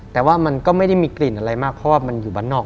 แต่ว่ามันก็ไม่ได้มีกลิ่นอะไรมากเพราะว่ามันอยู่บ้านนอก